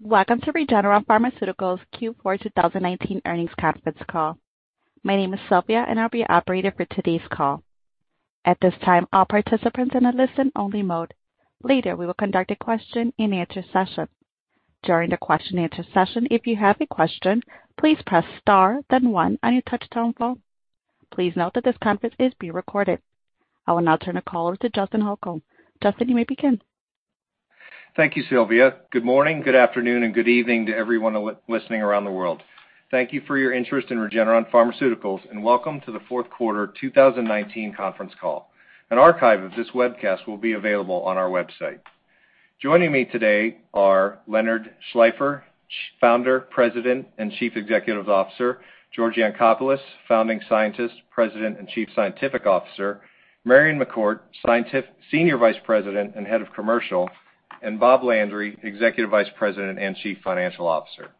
Welcome to Regeneron Pharmaceuticals' Q4 2019 earnings conference call. My name is Sylvia, and I'll be your operator for today's call. At this time, all participants are in a listen-only mode. Later, we will conduct a question and answer session. During the question and answer session, if you have a question, please press star then one on your touch-tone phone. Please note that this conference is being recorded. I will now turn the call over to Justin Holko. Justin, you may begin. Thank you, Sylvia. Good morning, good afternoon, and good evening to everyone listening around the world. Thank you for your interest in Regeneron Pharmaceuticals. Welcome to the fourth quarter 2019 conference call. An archive of this webcast will be available on our website. Joining me today are Leonard Schleifer, Founder, President, and Chief Executive Officer; George Yancopoulos, Founding Scientist, President, and Chief Scientific Officer; Marion McCourt, Scientist, Senior vice president and Head of Commercial; and Bob Landry, executive vice president and chief financial officer.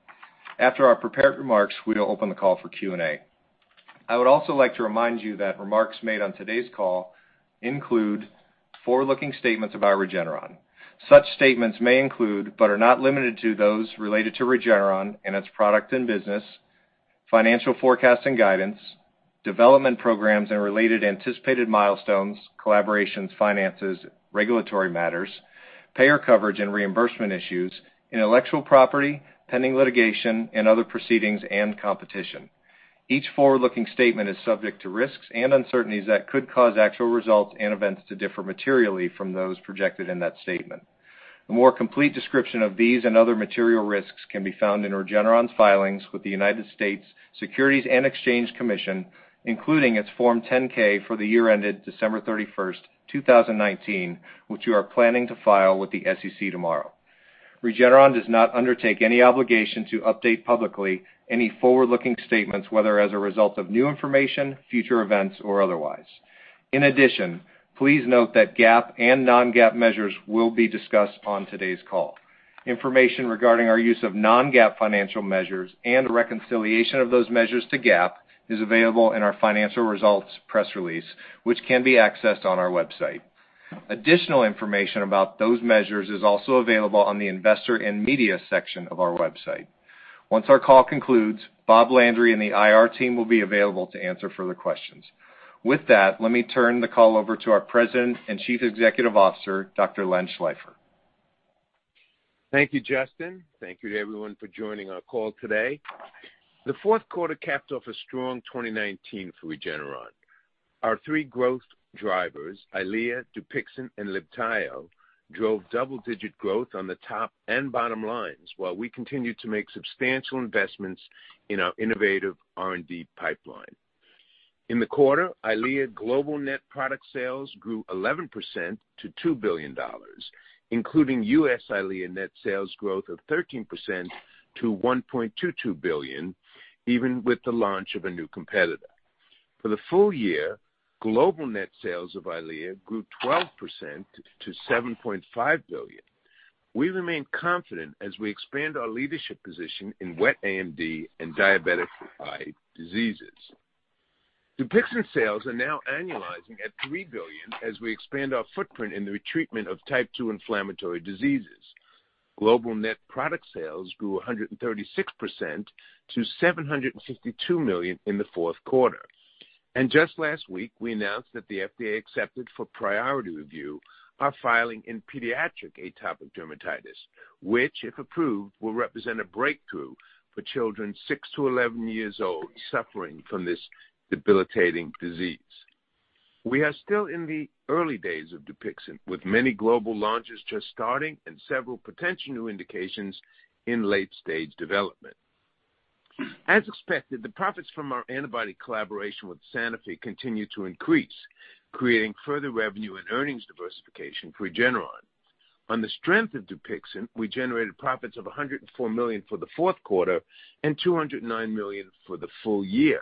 After our prepared remarks, we will open the call for Q&A. I would also like to remind you that remarks made on today's call include forward-looking statements about Regeneron. Such statements may include, but are not limited to, those related to Regeneron and its product and business, financial forecasting guidance, development programs and related anticipated milestones, collaborations, finances, regulatory matters, payer coverage and reimbursement issues, intellectual property, pending litigation and other proceedings, and competition. Each forward-looking statement is subject to risks and uncertainties that could cause actual results and events to differ materially from those projected in that statement. A more complete description of these and other material risks can be found in Regeneron's filings with the United States Securities and Exchange Commission, including its Form 10-K for the year ended December 31st, 2019, which we are planning to file with the SEC tomorrow. Regeneron does not undertake any obligation to update publicly any forward-looking statements, whether as a result of new information, future events, or otherwise. Please note that GAAP and non-GAAP measures will be discussed on today's call. Information regarding our use of non-GAAP financial measures and a reconciliation of those measures to GAAP is available in our financial results press release, which can be accessed on our website. Additional information about those measures is also available on the investor and media section of our website. Once our call concludes, Bob Landry and the IR team will be available to answer further questions. Let me turn the call over to our President and Chief Executive Officer, Dr. Len Schleifer. Thank you, Justin. Thank you to everyone for joining our call today. The fourth quarter capped off a strong 2019 for Regeneron. Our three growth drivers, EYLEA, DUPIXENT, and LIBTAYO, drove double-digit growth on the top and bottom lines while we continued to make substantial investments in our innovative R&D pipeline. In the quarter, EYLEA global net product sales grew 11% to $2 billion, including U.S. EYLEA net sales growth of 13% to $1.22 billion, even with the launch of a new competitor. For the full year, global net sales of EYLEA grew 12% to $7.5 billion. We remain confident as we expand our leadership position in wet AMD and diabetic eye diseases. DUPIXENT sales are now annualizing at $3 billion as we expand our footprint in the treatment of type 2 inflammatory diseases. Global net product sales grew 136% to $762 million in the fourth quarter. Just last week, we announced that the FDA accepted for priority review our filing in pediatric atopic dermatitis, which, if approved, will represent a breakthrough for children 6-11 years old suffering from this debilitating disease. We are still in the early days of DUPIXENT, with many global launches just starting and several potential new indications in late-stage development. As expected, the profits from our antibody collaboration with Sanofi continue to increase, creating further revenue and earnings diversification for Regeneron. On the strength of DUPIXENT, we generated profits of $104 million for the fourth quarter and $209 million for the full year,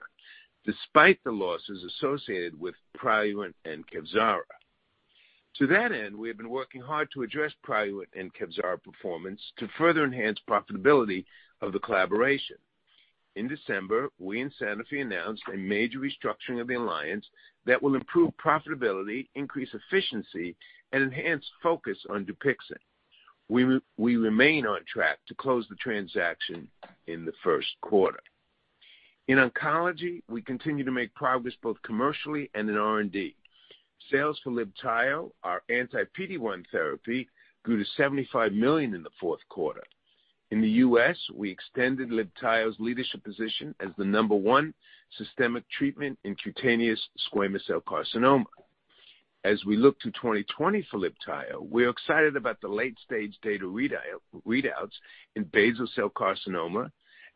despite the losses associated with Praluent and Kevzara. To that end, we have been working hard to address Praluent and Kevzara performance to further enhance profitability of the collaboration. In December, we and Sanofi announced a major restructuring of the alliance that will improve profitability, increase efficiency, and enhance focus on DUPIXENT. We remain on track to close the transaction in the first quarter. In oncology, we continue to make progress both commercially and in R&D. Sales for LIBTAYO, our anti-PD-1 therapy, grew to $75 million in the fourth quarter. In the U.S., we extended LIBTAYO's leadership position as the number one systemic treatment in cutaneous squamous cell carcinoma. As we look to 2020 for LIBTAYO, we are excited about the late-stage data readouts in basal cell carcinoma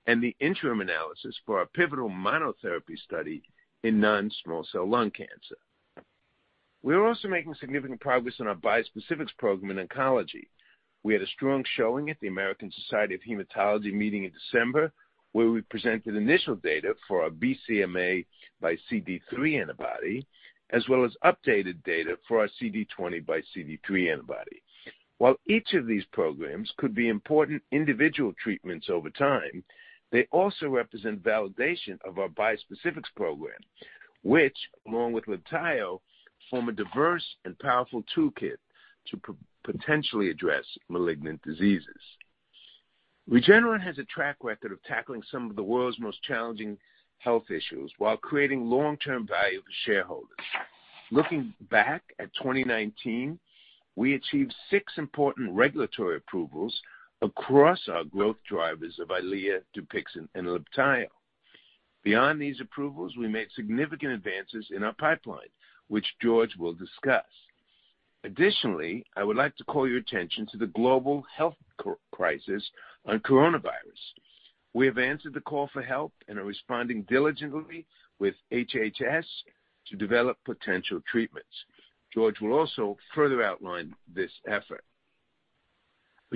and the interim analysis for our pivotal monotherapy study in non-small cell lung cancer. We are also making significant progress on our bispecifics program in oncology. We had a strong showing at the American Society of Hematology meeting in December, where we presented initial data for our BCMA by CD3 antibody, as well as updated data for our CD20 by CD3 antibody. While each of these programs could be important individual treatments over time, they also represent validation of our bispecifics program, which, along with LIBTAYO, form a diverse and powerful toolkit to potentially address malignant diseases. Regeneron has a track record of tackling some of the world's most challenging health issues while creating long-term value for shareholders. Looking back at 2019, we achieved six important regulatory approvals across our growth drivers of EYLEA, DUPIXENT, and LIBTAYO. Beyond these approvals, we made significant advances in our pipeline, which George will discuss. Additionally, I would like to call your attention to the global health crisis on coronavirus. We have answered the call for help and are responding diligently with HHS to develop potential treatments. George will also further outline this effort.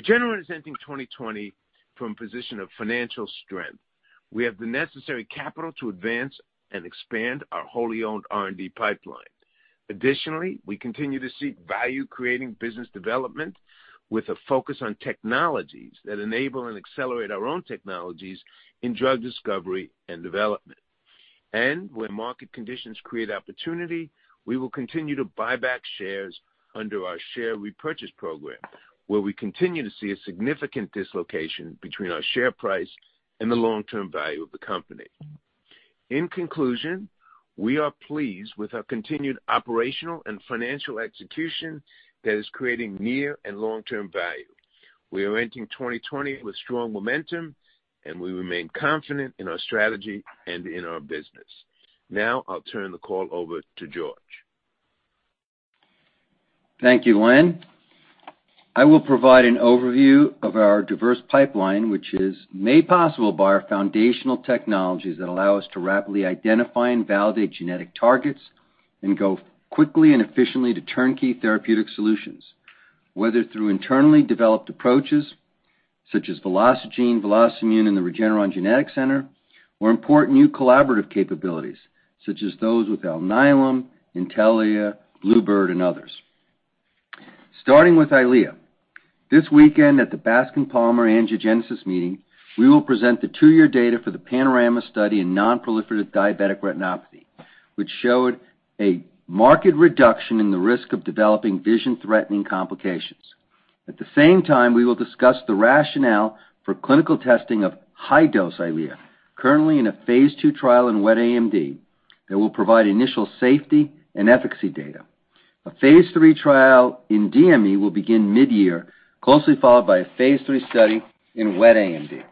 Regeneron is ending 2020 from a position of financial strength. We have the necessary capital to advance and expand our wholly owned R&D pipeline. We continue to seek value-creating business development with a focus on technologies that enable and accelerate our own technologies in drug discovery and development. When market conditions create opportunity, we will continue to buy back shares under our share repurchase program, where we continue to see a significant dislocation between our share price and the long-term value of the company. In conclusion, we are pleased with our continued operational and financial execution that is creating near and long-term value. We are entering 2020 with strong momentum, and we remain confident in our strategy and in our business. Now I'll turn the call over to George. Thank you, Len. I will provide an overview of our diverse pipeline, which is made possible by our foundational technologies that allow us to rapidly identify and validate genetic targets and go quickly and efficiently to turnkey therapeutic solutions, whether through internally developed approaches such as VelociGene, VelocImmune, and the Regeneron Genetics Center, or important new collaborative capabilities, such as those with Alnylam, Intellia, Bluebird, and others. Starting with EYLEA. This weekend at the Bascom Palmer Angiogenesis meeting, we will present the two-year data for the PANORAMA study in non-proliferative diabetic retinopathy, which showed a marked reduction in the risk of developing vision-threatening complications. At the same time, we will discuss the rationale for clinical testing of high-dose EYLEA, currently in a phase II trial in wet AMD that will provide initial safety and efficacy data. A phase III trial in DME will begin mid-year, closely followed by a phase III study in wet AMD.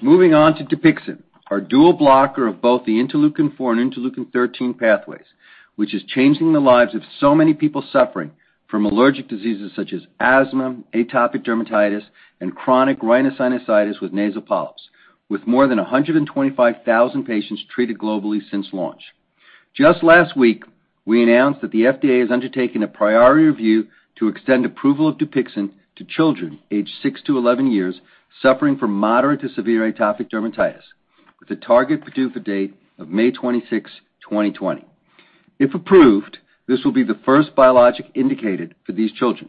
Moving on to DUPIXENT, our dual blocker of both the interleukin-4 and interleukin-13 pathways, which is changing the lives of so many people suffering from allergic diseases such as asthma, atopic dermatitis, and chronic rhinosinusitis with nasal polyps. With more than 125,000 patients treated globally since launch. Just last week, we announced that the FDA has undertaken a priority review to extend approval of DUPIXENT to children aged 6-11 years suffering from moderate to severe atopic dermatitis, with a target PDUFA date of May 26, 2020. If approved, this will be the first biologic indicated for these children.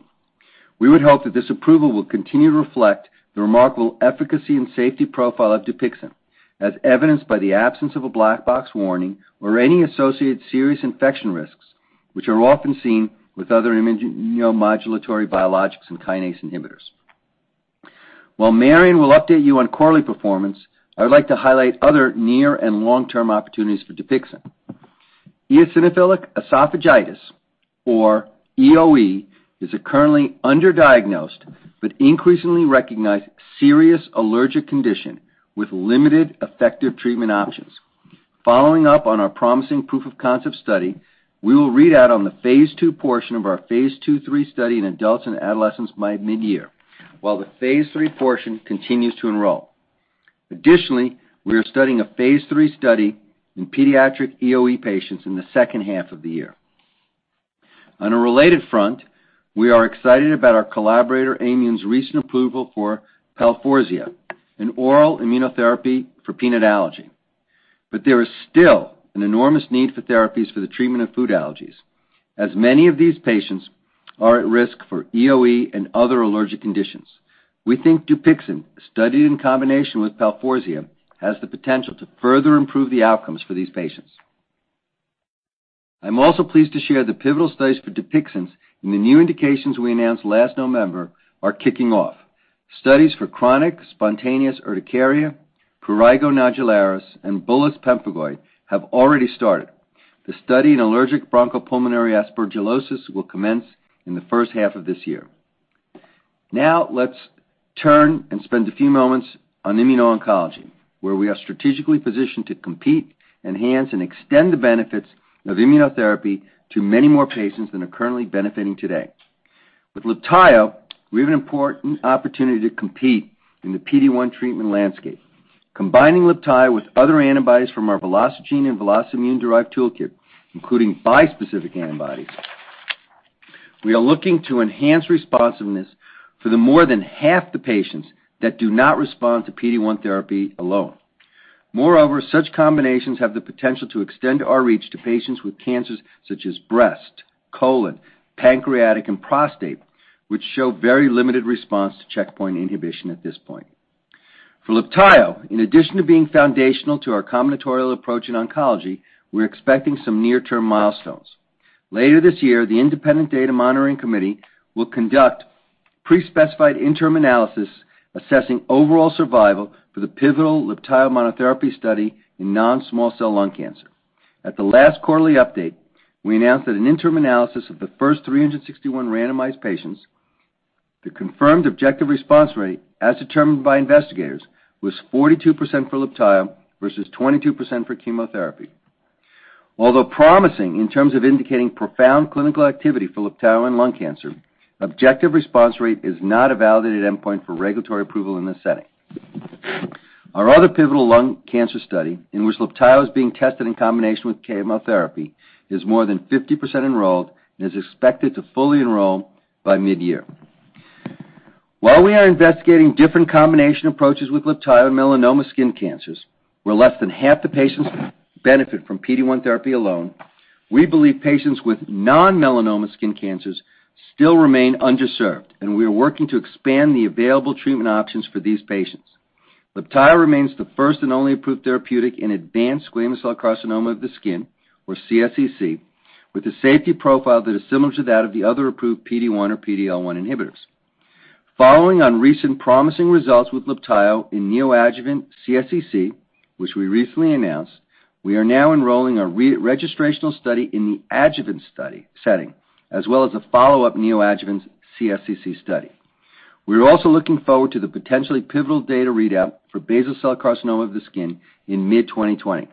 We would hope that this approval will continue to reflect the remarkable efficacy and safety profile of DUPIXENT, as evidenced by the absence of a black box warning or any associated serious infection risks, which are often seen with other immunomodulatory biologics and kinase inhibitors. While Marion will update you on quarterly performance, I would like to highlight other near and long-term opportunities for DUPIXENT. Eosinophilic esophagitis, or EoE, is a currently underdiagnosed but increasingly recognized serious allergic condition with limited effective treatment options. Following up on our promising proof of concept study, we will read out on the phase II portion of our phase II/III study in adults and adolescents by mid-year, while the phase III portion continues to enroll. Additionally, we are starting a phase III study in pediatric EoE patients in the second half of the year. On a related front, we are excited about our collaborator Aimmune's recent approval for PALFORZIA, an oral immunotherapy for peanut allergy. There is still an enormous need for therapies for the treatment of food allergies, as many of these patients are at risk for EoE and other allergic conditions. We think DUPIXENT, studied in combination with PALFORZIA, has the potential to further improve the outcomes for these patients. I'm also pleased to share the pivotal studies for DUPIXENT in the new indications we announced last November are kicking off. Studies for Chronic Spontaneous Urticaria, Prurigo Nodularis, and Bullous Pemphigoid have already started. The study in allergic bronchopulmonary aspergillosis will commence in the first half of this year. Let's turn and spend a few moments on immuno-oncology, where we are strategically positioned to compete, enhance, and extend the benefits of immunotherapy to many more patients than are currently benefiting today. With LIBTAYO, we have an important opportunity to compete in the PD-1 treatment landscape. Combining LIBTAYO with other antibodies from our VelociGene and VelocImmune-derived toolkit, including bispecific antibodies, we are looking to enhance responsiveness for the more than half the patients that do not respond to PD-1 therapy alone. Such combinations have the potential to extend our reach to patients with cancers such as breast, colon, pancreatic, and prostate, which show very limited response to checkpoint inhibition at this point. For LIBTAYO, in addition to being foundational to our combinatorial approach in oncology, we're expecting some near-term milestones. Later this year, the independent data monitoring committee will conduct pre-specified interim analysis assessing overall survival for the pivotal LIBTAYO monotherapy study in non-small cell lung cancer. At the last quarterly update, we announced that an interim analysis of the first 361 randomized patients, the confirmed objective response rate, as determined by investigators, was 42% for LIBTAYO versus 22% for chemotherapy. Although promising in terms of indicating profound clinical activity for LIBTAYO in lung cancer, objective response rate is not a validated endpoint for regulatory approval in this setting. Our other pivotal lung cancer study, in which LIBTAYO is being tested in combination with chemotherapy, is more than 50% enrolled and is expected to fully enroll by mid-year. While we are investigating different combination approaches with LIBTAYO in melanoma skin cancers, where less than half the patients benefit from PD-1 therapy alone, we believe patients with non-melanoma skin cancers still remain underserved, and we are working to expand the available treatment options for these patients. LIBTAYO remains the first and only approved therapeutic in advanced squamous cell carcinoma of the skin, or CSCC, with a safety profile that is similar to that of the other approved PD-1 or PD-L1 inhibitors. Following on recent promising results with LIBTAYO in neoadjuvant CSCC, which we recently announced, we are now enrolling a registrational study in the adjuvant setting, as well as a follow-up neoadjuvant CSCC study. We are also looking forward to the potentially pivotal data readout for basal cell carcinoma of the skin in mid 2020.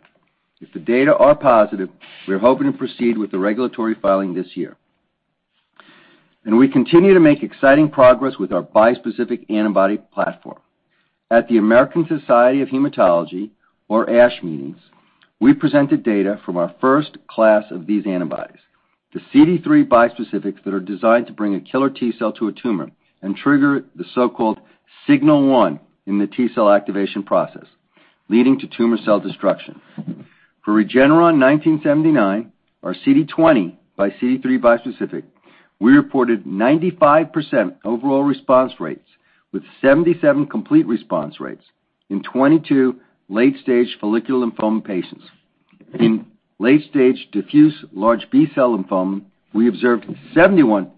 If the data are positive, we are hoping to proceed with the regulatory filing this year. We continue to make exciting progress with our bispecific antibody platform. At the American Society of Hematology, or ASH Meetings, we presented data from our first class of these antibodies, the CD3 bispecifics that are designed to bring a killer T cell to a tumor and trigger the so-called signal one in the T cell activation process, leading to tumor cell destruction. For REGN1979, our CD20 x CD3 bispecific, we reported 95% overall response rates with 77 complete response rates in 22 late-stage follicular lymphoma patients. In late-stage diffuse large B-cell lymphoma, we observed 71%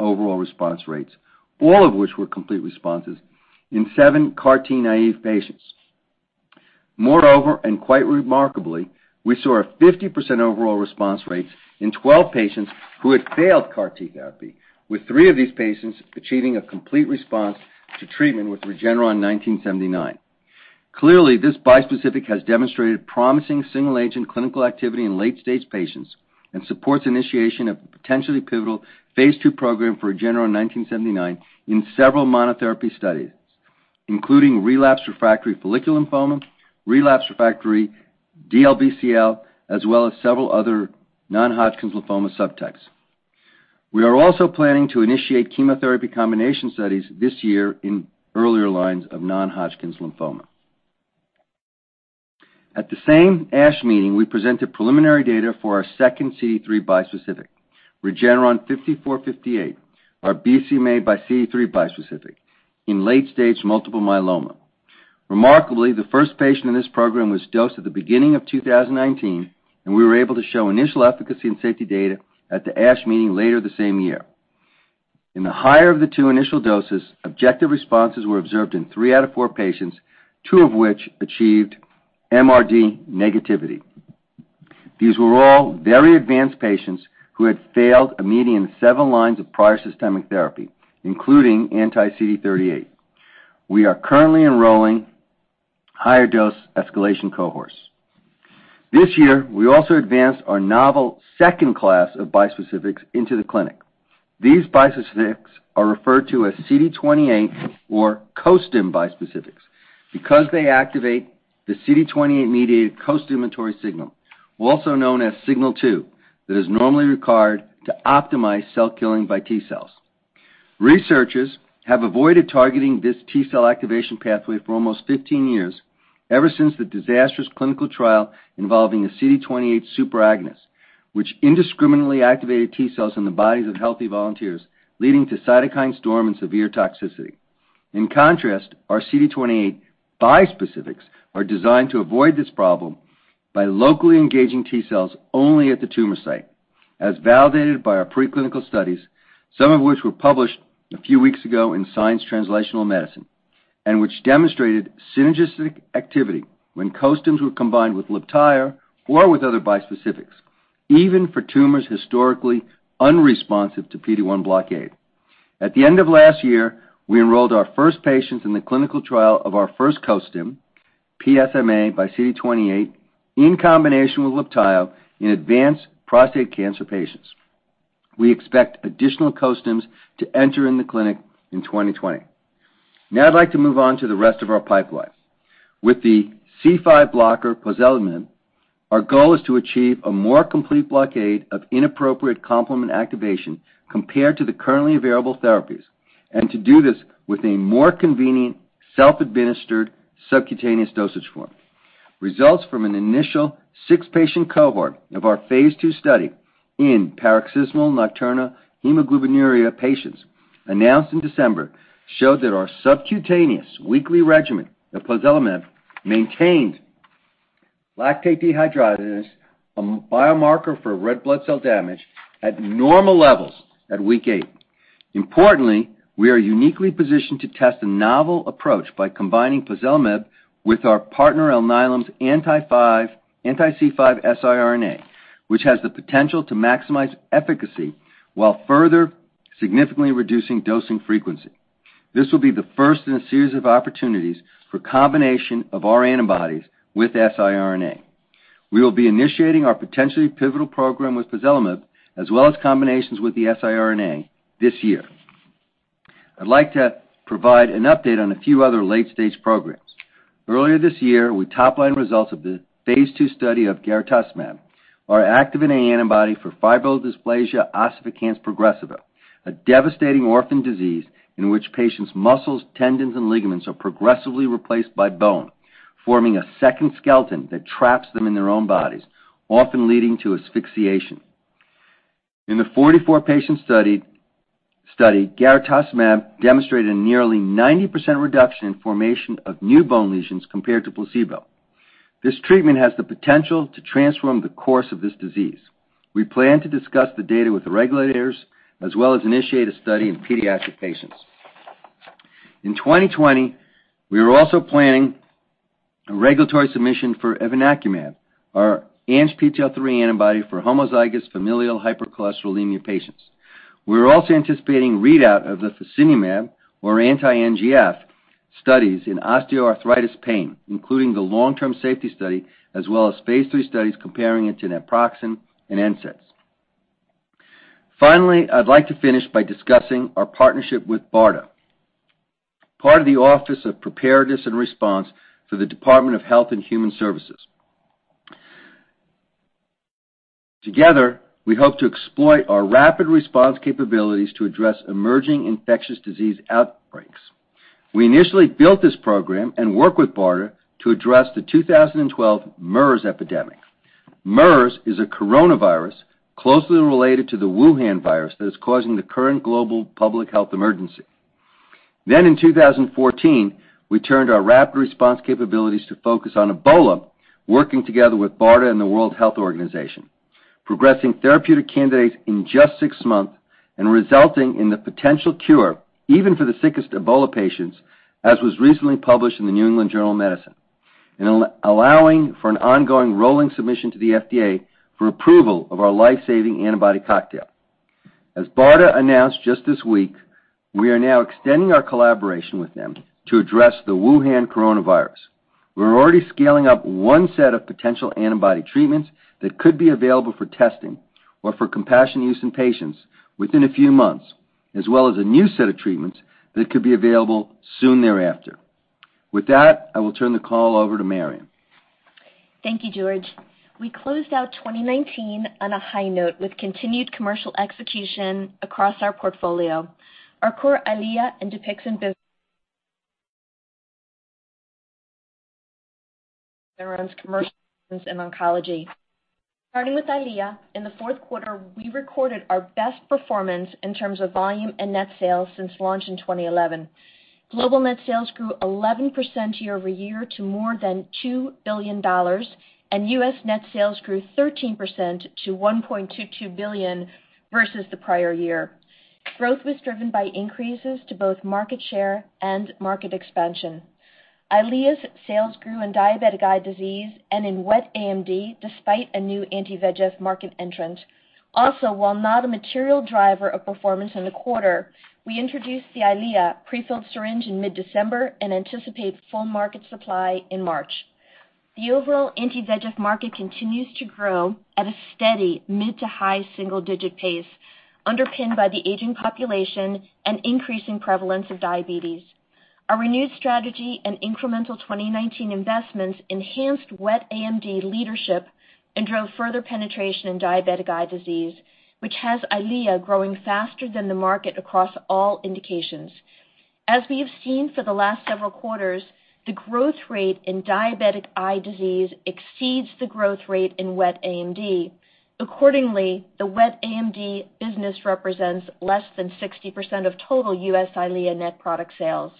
overall response rates, all of which were complete responses in seven CAR T naive patients. Moreover, and quite remarkably, we saw a 50% overall response rate in 12 patients who had failed CAR T therapy, with three of these patients achieving a complete response to treatment with REGN1979. Clearly, this bispecific has demonstrated promising single-agent clinical activity in late-stage patients and supports initiation of a potentially pivotal phase II program for REGN1979 in several monotherapy studies, including relapse refractory follicular lymphoma, relapse refractory DLBCL, as well as several other non-Hodgkin's lymphoma subtypes. We are also planning to initiate chemotherapy combination studies this year in earlier lines of non-Hodgkin's lymphoma. At the same ASH Meeting, we presented preliminary data for our second CD3 bispecific, REGN5458, our BCMA x CD3 bispecific in late stage multiple myeloma. Remarkably, the first patient in this program was dosed at the beginning of 2019, and we were able to show initial efficacy and safety data at the ASH Meeting later the same year. In the higher of the two initial doses, objective responses were observed in three out of four patients, two of which achieved MRD negativity. These were all very advanced patients who had failed a median seven lines of prior systemic therapy, including anti-CD38. We are currently enrolling higher dose escalation cohorts. This year, we also advanced our novel second class of bispecifics into the clinic. These bispecifics are referred to as CD28 or Costim bispecifics because they activate the CD28-mediated costimulatory signal, also known as signal two, that is normally required to optimize cell killing by T cells. Researchers have avoided targeting this T cell activation pathway for almost 15 years, ever since the disastrous clinical trial involving a CD28 superagonist, which indiscriminately activated T cells in the bodies of healthy volunteers, leading to cytokine storm and severe toxicity. In contrast, our CD28 bispecifics are designed to avoid this problem by locally engaging T cells only at the tumor site, as validated by our preclinical studies, some of which were published a few weeks ago in "Science Translational Medicine" and which demonstrated synergistic activity when Costims were combined with LIBTAYO or with other bispecifics, even for tumors historically unresponsive to PD-1 blockade. At the end of last year, we enrolled our first patients in the clinical trial of our first Costim, PSMA by CD28, in combination with LIBTAYO in advanced prostate cancer patients. We expect additional Costims to enter in the clinic in 2020. I'd like to move on to the rest of our pipeline. With the C5 blocker, pozelimab, our goal is to achieve a more complete blockade of inappropriate complement activation compared to the currently available therapies, and to do this with a more convenient, self-administered subcutaneous dosage form. Results from an initial six-patient cohort of our phase II study in paroxysmal nocturnal hemoglobinuria patients announced in December showed that our subcutaneous weekly regimen of pozelimab maintained lactate dehydrogenase, a biomarker for red blood cell damage, at normal levels at week eight. We are uniquely positioned to test a novel approach by combining pozelimab with our partner Alnylam's anti-C5 siRNA, which has the potential to maximize efficacy while further significantly reducing dosing frequency. This will be the first in a series of opportunities for combination of our antibodies with siRNA. We will be initiating our potentially pivotal program with pozelimab, as well as combinations with the siRNA this year. I'd like to provide an update on a few other late-stage programs. Earlier this year, we top-lined results of the phase II study of garetosmab, our Activin A antibody for fibrodysplasia ossificans progressiva, a devastating orphan disease in which patients' muscles, tendons, and ligaments are progressively replaced by bone, forming a second skeleton that traps them in their own bodies, often leading to asphyxiation. In the 44-patient study, garetosmab demonstrated a nearly 90% reduction in formation of new bone lesions compared to placebo. This treatment has the potential to transform the course of this disease. We plan to discuss the data with the regulators, as well as initiate a study in pediatric patients. In 2020, we are also planning a regulatory submission for evinacumab, our ANGPTL3 antibody for homozygous familial hypercholesterolemia patients. We are also anticipating readout of the fasinumab, or anti-NGF, studies in osteoarthritis pain, including the long-term safety study, as well as phase III studies comparing it to naproxen and NSAIDs. Finally, I'd like to finish by discussing our partnership with BARDA, part of the Office of Preparedness and Response for the Department of Health and Human Services. Together, we hope to exploit our rapid response capabilities to address emerging infectious disease outbreaks. We initially built this program and work with BARDA to address the 2012 MERS epidemic. MERS is a coronavirus closely related to the Wuhan virus that is causing the current global public health emergency. In 2014, we turned our rapid response capabilities to focus on Ebola, working together with BARDA and the World Health Organization, progressing therapeutic candidates in just six months and resulting in the potential cure, even for the sickest Ebola patients, as was recently published in "The New England Journal of Medicine," and allowing for an ongoing rolling submission to the FDA for approval of our life-saving antibody cocktail. As BARDA announced just this week, we are now extending our collaboration with them to address the Wuhan coronavirus. We're already scaling up one set of potential antibody treatments that could be available for testing or for compassion use in patients within a few months, as well as a new set of treatments that could be available soon thereafter. With that, I will turn the call over to Marion. Thank you, George. We closed out 2019 on a high note with continued commercial execution across our portfolio. Our core EYLEA and DUPIXENT business Regeneron's commercials in oncology. Starting with EYLEA, in the fourth quarter, we recorded our best performance in terms of volume and net sales since launch in 2011. Global net sales grew 11% year-over-year to more than $2 billion, and U.S. net sales grew 13% to $1.22 billion versus the prior year. Growth was driven by increases to both market share and market expansion. EYLEA's sales grew in diabetic eye disease and in wet AMD, despite a new anti-VEGF market entrant. While not a material driver of performance in the quarter, we introduced the EYLEA prefilled syringe in mid-December and anticipate full market supply in March. The overall anti-VEGF market continues to grow at a steady mid to high single-digit pace, underpinned by the aging population and increasing prevalence of diabetes. Our renewed strategy and incremental 2019 investments enhanced wet AMD leadership and drove further penetration in diabetic eye disease, which has EYLEA growing faster than the market across all indications. As we have seen for the last several quarters, the growth rate in diabetic eye disease exceeds the growth rate in wet AMD. Accordingly, the wet AMD business represents less than 60% of total U.S. EYLEA net product sales.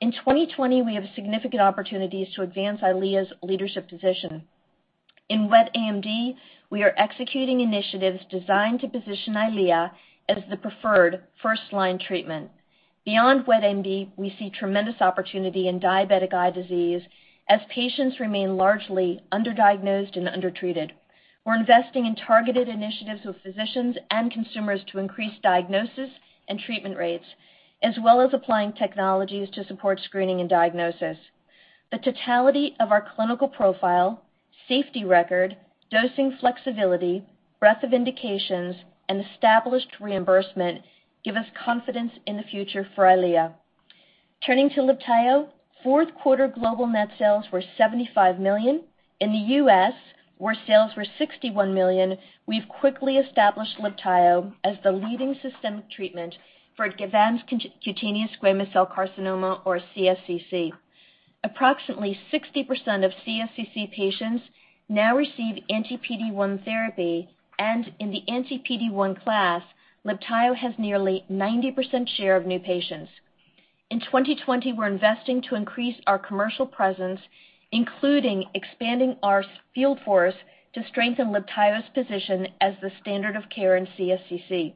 In 2020, we have significant opportunities to advance EYLEA's leadership position. In wet AMD, we are executing initiatives designed to position EYLEA as the preferred first-line treatment. Beyond wet AMD, we see tremendous opportunity in diabetic eye disease as patients remain largely underdiagnosed and undertreated. We're investing in targeted initiatives with physicians and consumers to increase diagnosis and treatment rates, as well as applying technologies to support screening and diagnosis. The totality of our clinical profile, safety record, dosing flexibility, breadth of indications, and established reimbursement give us confidence in the future for EYLEA. Turning to LIBTAYO, fourth quarter global net sales were $75 million. In the U.S., where sales were $61 million, we've quickly established LIBTAYO as the leading systemic treatment for advanced cutaneous squamous cell carcinoma or CSCC. Approximately 60% of CSCC patients now receive anti-PD-1 therapy, and in the anti-PD-1 class, LIBTAYO has nearly 90% share of new patients. In 2020, we're investing to increase our commercial presence, including expanding our field force to strengthen LIBTAYO's position as the standard of care in CSCC.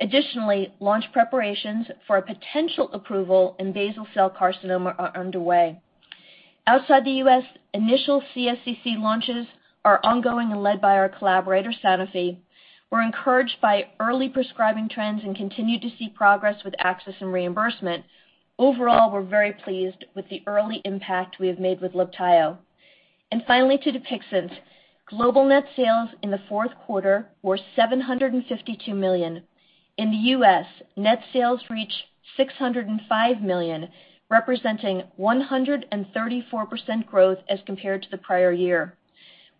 Additionally, launch preparations for a potential approval in basal cell carcinoma are underway. Outside the U.S., initial CSCC launches are ongoing and led by our collaborator, Sanofi. We're encouraged by early prescribing trends and continue to see progress with access and reimbursement. Overall, we're very pleased with the early impact we have made with LIBTAYO. Finally, to DUPIXENT. Global net sales in the fourth quarter were $752 million. In the U.S., net sales reached $605 million, representing 134% growth as compared to the prior year.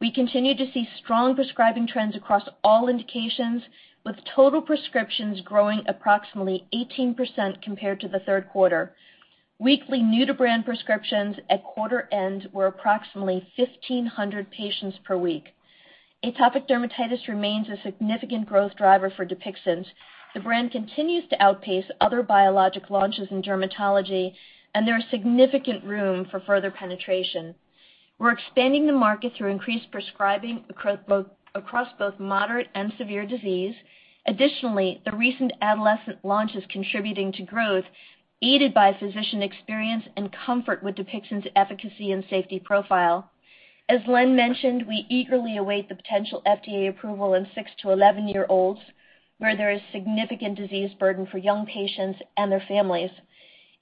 We continue to see strong prescribing trends across all indications, with total prescriptions growing approximately 18% compared to the third quarter. Weekly new-to-brand prescriptions at quarter end were approximately 1,500 patients per week. Atopic dermatitis remains a significant growth driver for DUPIXENT. The brand continues to outpace other biologic launches in dermatology. There is significant room for further penetration. We're expanding the market through increased prescribing across both moderate and severe disease. Additionally, the recent adolescent launch is contributing to growth, aided by physician experience and comfort with DUPIXENT's efficacy and safety profile. As Len mentioned, we eagerly await the potential FDA approval in 6-11 year-olds, where there is significant disease burden for young patients and their families.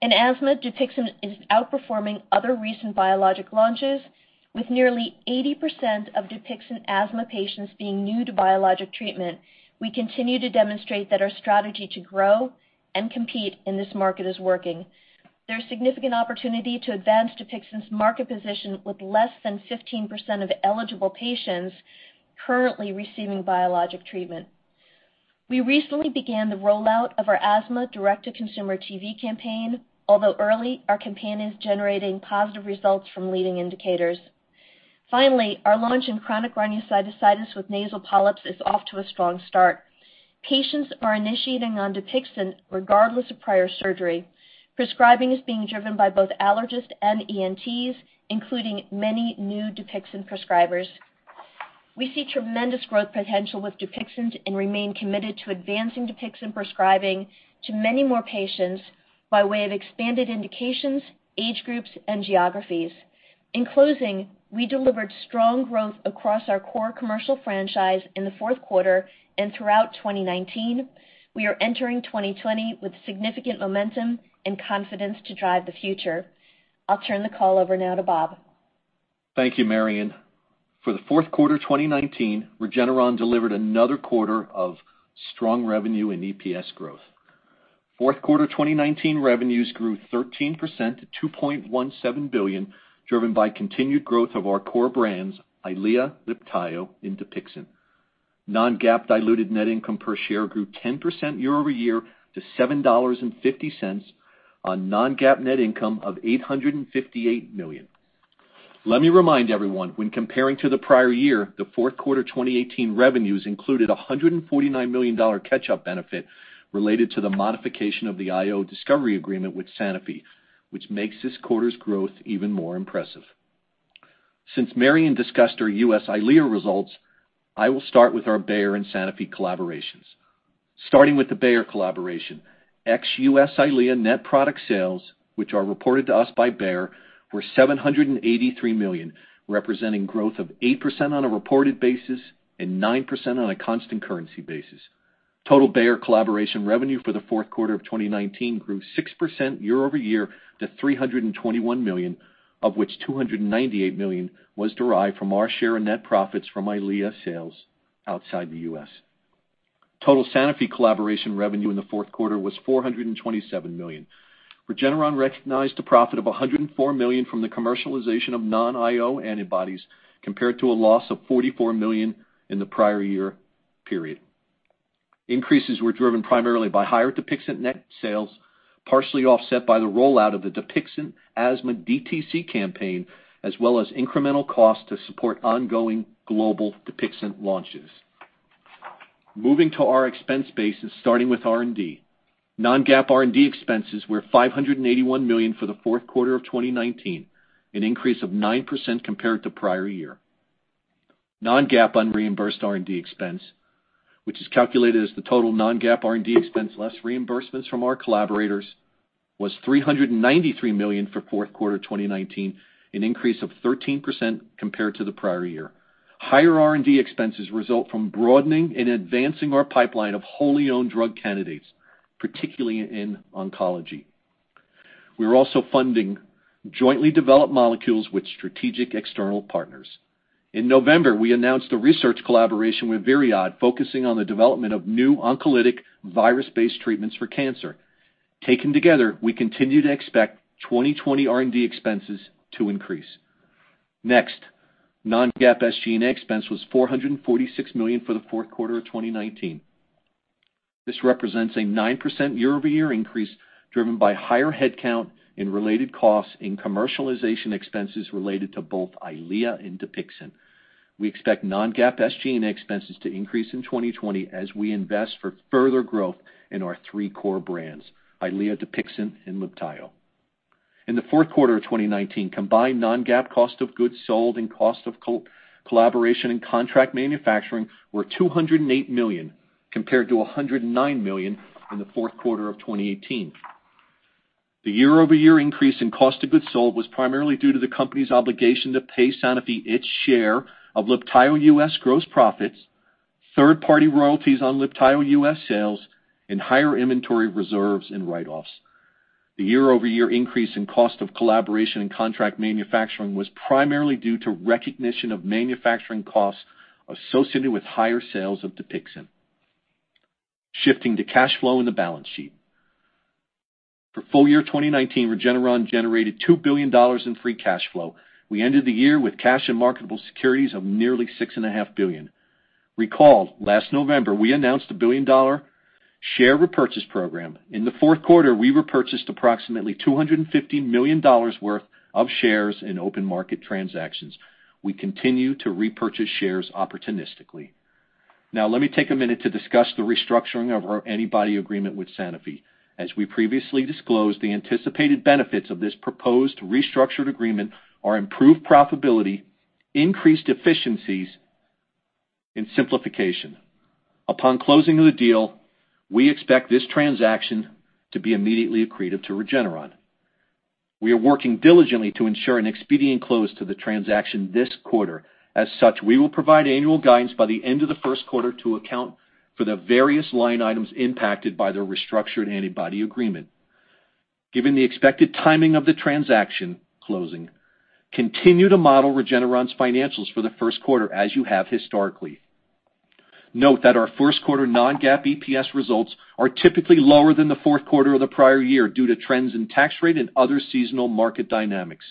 In asthma, DUPIXENT is outperforming other recent biologic launches, with nearly 80% of DUPIXENT asthma patients being new to biologic treatment. We continue to demonstrate that our strategy to grow and compete in this market is working. There is significant opportunity to advance DUPIXENT's market position with less than 15% of eligible patients currently receiving biologic treatment. We recently began the rollout of our asthma direct-to-consumer TV campaign. Although early, our campaign is generating positive results from leading indicators. Finally, our launch in chronic rhinosinusitis with nasal polyps is off to a strong start. Patients are initiating on DUPIXENT regardless of prior surgery. Prescribing is being driven by both allergists and ENTs, including many new DUPIXENT prescribers. We see tremendous growth potential with DUPIXENT and remain committed to advancing DUPIXENT prescribing to many more patients by way of expanded indications, age groups, and geographies. In closing, we delivered strong growth across our core commercial franchise in the fourth quarter and throughout 2019. We are entering 2020 with significant momentum and confidence to drive the future. I'll turn the call over now to Bob. Thank you, Marion. For the fourth quarter 2019, Regeneron delivered another quarter of strong revenue and EPS growth. Fourth quarter 2019 revenues grew 13% to $2.17 billion, driven by continued growth of our core brands EYLEA, LIBTAYO, and DUPIXENT. Non-GAAP diluted net income per share grew 10% year-over-year to $7.50 on non-GAAP net income of $858 million. Let me remind everyone, when comparing to the prior year, the fourth quarter 2018 revenues included a $149 million catch-up benefit related to the modification of the IO discovery agreement with Sanofi, which makes this quarter's growth even more impressive. Since Marion discussed our U.S. EYLEA results, I will start with our Bayer and Sanofi collaborations. Starting with the Bayer collaboration, ex-U.S. EYLEA net product sales, which are reported to us by Bayer, were $783 million, representing growth of 8% on a reported basis and 9% on a constant currency basis. Total Bayer collaboration revenue for the fourth quarter of 2019 grew 6% year-over-year to $321 million, of which $298 million was derived from our share in net profits from EYLEA sales outside the U.S. Total Sanofi collaboration revenue in the fourth quarter was $427 million. Regeneron recognized a profit of $104 million from the commercialization of non-IO antibodies, compared to a loss of $44 million in the prior year period. Increases were driven primarily by higher DUPIXENT net sales, partially offset by the rollout of the DUPIXENT asthma DTC campaign, as well as incremental costs to support ongoing global DUPIXENT launches. Moving to our expense base and starting with R&D. Non-GAAP R&D expenses were $581 million for the fourth quarter of 2019, an increase of 9% compared to prior year. Non-GAAP unreimbursed R&D expense, which is calculated as the total non-GAAP R&D expense less reimbursements from our collaborators, was $393 million for fourth quarter 2019, an increase of 13% compared to the prior year. Higher R&D expenses result from broadening and advancing our pipeline of wholly owned drug candidates, particularly in oncology. We're also funding jointly developed molecules with strategic external partners. In November, we announced a research collaboration with Vyriad focusing on the development of new oncolytic virus-based treatments for cancer. Taken together, we continue to expect 2020 R&D expenses to increase. Next, non-GAAP SG&A expense was $446 million for the fourth quarter of 2019. This represents a 9% year-over-year increase, driven by higher headcount and related costs in commercialization expenses related to both EYLEA and DUPIXENT. We expect non-GAAP SG&A expenses to increase in 2020 as we invest for further growth in our three core brands, EYLEA, DUPIXENT, and LIBTAYO. In the fourth quarter of 2019, combined non-GAAP cost of goods sold and cost of collaboration and contract manufacturing were $208 million, compared to $109 million in the fourth quarter of 2018. The year-over-year increase in cost of goods sold was primarily due to the company's obligation to pay Sanofi its share of LIBTAYO U.S. gross profits, third-party royalties on LIBTAYO U.S. sales, and higher inventory reserves and write-offs. The year-over-year increase in cost of collaboration and contract manufacturing was primarily due to recognition of manufacturing costs associated with higher sales of DUPIXENT. Shifting to cash flow and the balance sheet. For full year 2019, Regeneron generated $2 billion in free cash flow. We ended the year with cash and marketable securities of nearly $6.5 billion. Recall, last November, we announced a billion-dollar share repurchase program. In the fourth quarter, we repurchased approximately $250 million worth of shares in open market transactions. We continue to repurchase shares opportunistically. Let me take a minute to discuss the restructuring of our antibody agreement with Sanofi. As we previously disclosed, the anticipated benefits of this proposed restructured agreement are improved profitability, increased efficiencies, and simplification. Upon closing of the deal, we expect this transaction to be immediately accretive to Regeneron. We are working diligently to ensure an expedient close to the transaction this quarter. We will provide annual guidance by the end of the first quarter to account for the various line items impacted by the restructured antibody agreement. Given the expected timing of the transaction closing, continue to model Regeneron's financials for the first quarter as you have historically. Note that our first quarter non-GAAP EPS results are typically lower than the fourth quarter of the prior year due to trends in tax rate and other seasonal market dynamics.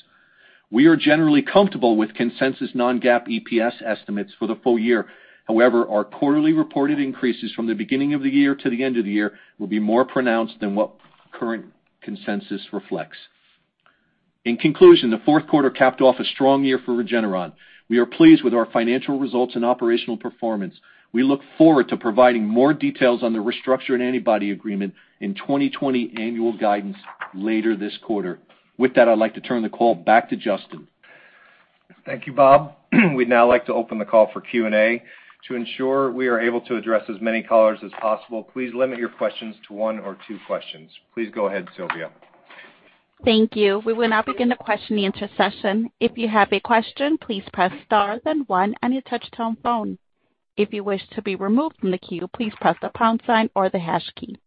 We are generally comfortable with consensus non-GAAP EPS estimates for the full year. However, our quarterly reported increases from the beginning of the year to the end of the year will be more pronounced than what current consensus reflects. In conclusion, the fourth quarter capped off a strong year for Regeneron. We are pleased with our financial results and operational performance. We look forward to providing more details on the restructured antibody agreement in 2020 annual guidance later this quarter. With that, I'd like to turn the call back to Justin. Thank you, Bob. We'd now like to open the call for Q&A. To ensure we are able to address as many callers as possible, please limit your questions to one or two questions. Please go ahead, Sylvia. Thank you. We will now begin the question and answer session. If you have a question, please press star then one on your touch-tone phone. If you wish to be removed from the queue, please press the pound sign or the hash key.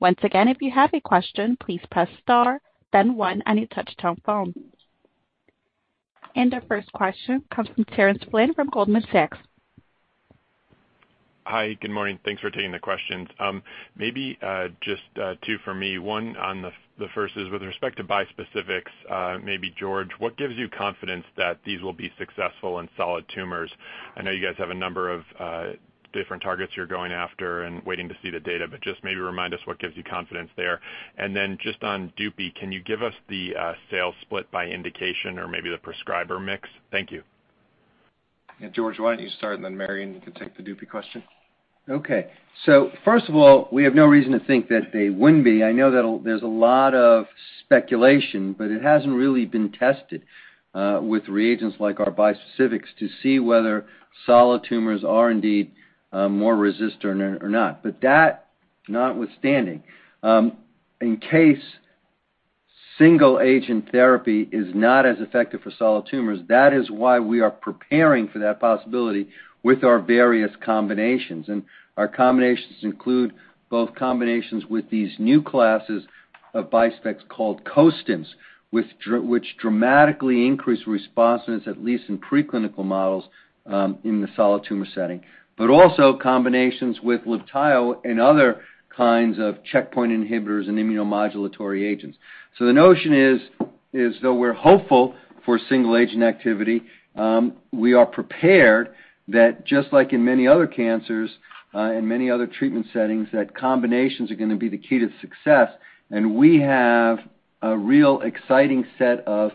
Once again, if you have a question, please press star, then one on your touch-tone phone. Our first question comes from Terence Flynn from Goldman Sachs. Hi, good morning. Thanks for taking the questions. Maybe just two for me. One on the first is with respect to bispecifics, maybe George, what gives you confidence that these will be successful in solid tumors? I know you guys have a number of different targets you're going after and waiting to see the data, but just maybe remind us what gives you confidence there. Just on DUPIXENT, can you give us the sales split by indication or maybe the prescriber mix? Thank you. Yeah, George, why don't you start, and then Marion can take the DUPIXENT question. First of all, we have no reason to think that they wouldn't be. I know that there's a lot of speculation, but it hasn't really been tested with reagents like our bispecifics to see whether solid tumors are indeed more resistant or not. That notwithstanding, in case single agent therapy is not as effective for solid tumors, that is why we are preparing for that possibility with our various combinations. Our combinations include both combinations with these new classes of bispecs called Costims, which dramatically increase responses, at least in preclinical models, in the solid tumor setting. Also combinations with LIBTAYO and other kinds of checkpoint inhibitors and immunomodulatory agents. The notion is, though we're hopeful for single agent activity, we are prepared that just like in many other cancers, and many other treatment settings, that combinations are going to be the key to success, and we have a real exciting set of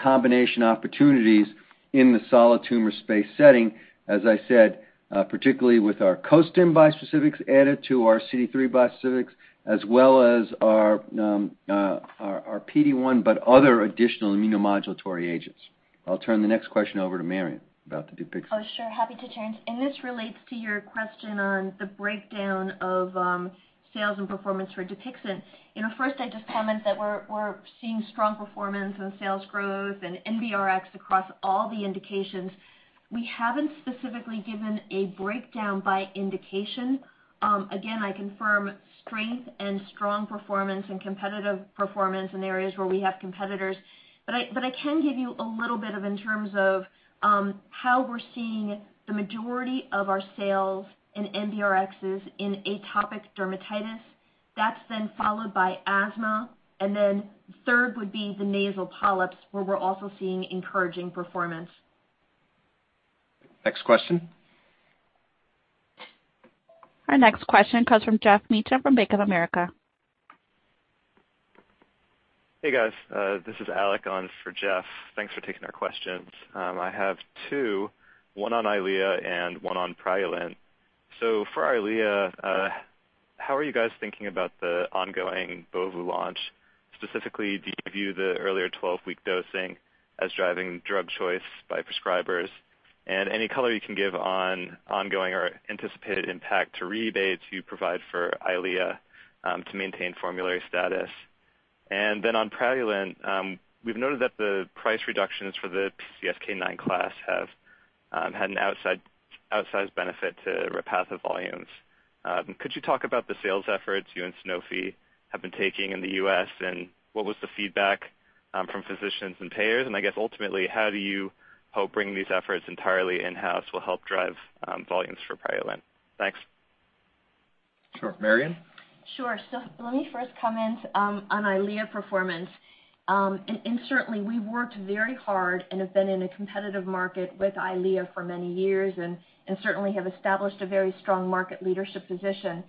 combination opportunities in the solid tumor space setting, as I said particularly with our Costim bispecifics added to our CD3 bispecifics, as well as our PD-1, but other additional immunomodulatory agents. I'll turn the next question over to Marion about the DUPIXENT. Oh, sure. Happy to change. This relates to your question on the breakdown of sales and performance for DUPIXENT. First, I just comment that we're seeing strong performance and sales growth and NBRX across all the indications. We haven't specifically given a breakdown by indication. Again, I confirm strength and strong performance and competitive performance in areas where we have competitors. I can give you a little bit of in terms of how we're seeing the majority of our sales and NBRXs in atopic dermatitis. That's then followed by asthma, and then third would be the nasal polyps, where we're also seeing encouraging performance. Next question. Our next question comes from Geoffrey Meacham from Bank of America. Hey, guys. This is Alec on for Jeff. Thanks for taking our questions. I have two, one on EYLEA and one on Praluent. For EYLEA, how are you guys thinking about the ongoing Beovu launch? Specifically, do you view the earlier 12-week dosing as driving drug choice by prescribers? Any color you can give on ongoing or anticipated impact to rebates you provide for EYLEA to maintain formulary status. On Praluent, we've noted that the price reductions for the PCSK9 class have had an outsized benefit to Repatha volumes. Could you talk about the sales efforts you and Sanofi have been taking in the U.S., and what was the feedback from physicians and payers? I guess ultimately, how do you hope bringing these efforts entirely in-house will help drive volumes for Praluent? Thanks. Sure. Marion? Sure. Let me first comment on EYLEA performance. Certainly, we've worked very hard and have been in a competitive market with EYLEA for many years and certainly have established a very strong market leadership position.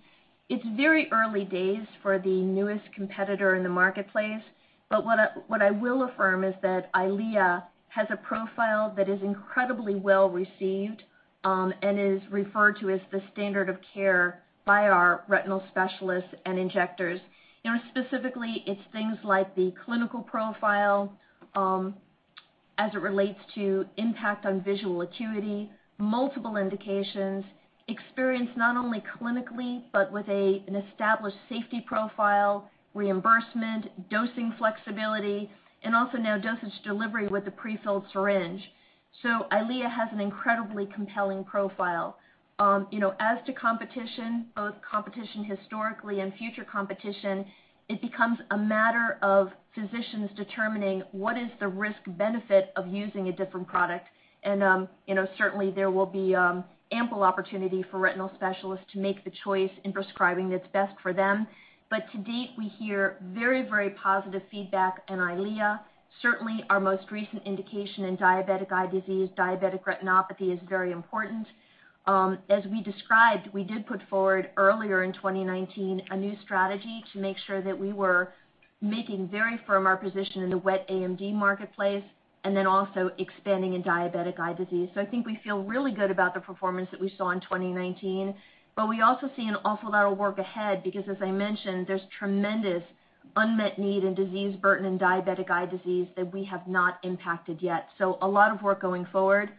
It's very early days for the newest competitor in the marketplace, but what I will affirm is that EYLEA has a profile that is incredibly well-received and is referred to as the standard of care by our retinal specialists and injectors. Specifically, it's things like the clinical profile as it relates to impact on visual acuity, multiple indications, experience not only clinically but with an established safety profile, reimbursement, dosing flexibility, and also now dosage delivery with the pre-filled syringe. EYLEA has an incredibly compelling profile. As to competition, both competition historically and future competition, it becomes a matter of physicians determining what is the risk-benefit of using a different product. Certainly, there will be ample opportunity for retinal specialists to make the choice in prescribing that's best for them. To date, we hear very positive feedback on EYLEA. Certainly, our most recent indication in diabetic eye disease, diabetic retinopathy, is very important. As we described, we did put forward earlier in 2019 a new strategy to make sure that we were making very firm our position in the wet AMD marketplace and then also expanding in diabetic eye disease. I think we feel really good about the performance that we saw in 2019. We also see an awful lot of work ahead because as I mentioned, there's tremendous unmet need and disease burden in diabetic eye disease that we have not impacted yet. A lot of work going forward.